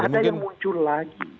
ada yang muncul lagi